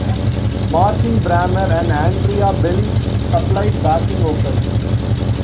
Martin Brammer and Andrea Bell supplied backing vocals.